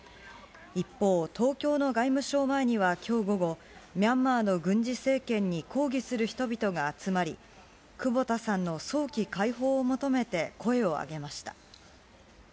一方、東京の外務省前にはきょう午後、ミャンマーの軍事政権に抗議する人々が集まり、久保田さんの早期解放を求めて声を上げました。